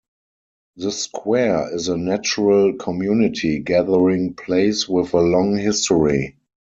The Square is a natural community gathering place with a long history.